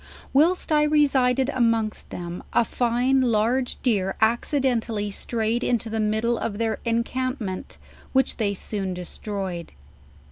Whilst I resided amongst them, a fine large deer accidentally strayed into the middle of their en cauipircnt, which they soon destroyed.